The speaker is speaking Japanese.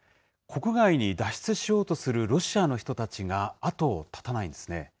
国外に脱出しようとするロシアの人たちが後を絶たないんですね。